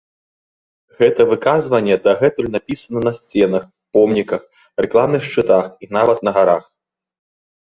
Гэта выказванне дагэтуль напісана на сценах, помніках, рэкламных шчытах і нават на гарах.